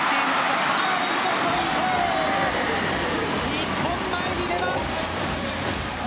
日本、前に出ます。